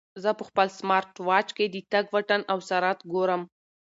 زه په خپل سمارټ واچ کې د تګ واټن او سرعت ګورم.